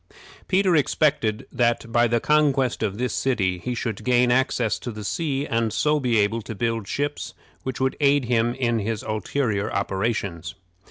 Peter expected that by the conquest of this city he should gain access to the sea, and so be able to build ships which would aid him in his ulterior operations.